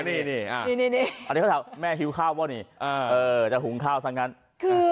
นี่อันนี้เขาถามแม่หิวข้าวเปล่านี่จะหุงข้าวซะงั้น